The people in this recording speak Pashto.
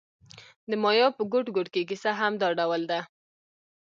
د مایا په ګوټ ګوټ کې کیسه همدا ډول ده